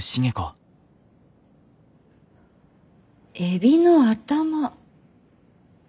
エビの頭？